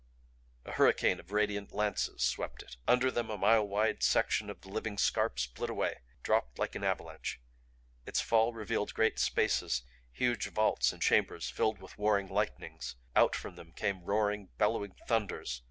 A hurricane of radiant lances swept it. Under them a mile wide section of the living scarp split away; dropped like an avalanche. Its fall revealed great spaces, huge vaults and chambers filled with warring lightnings out from them came roaring, bellowing thunders.